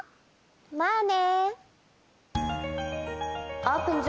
まあね。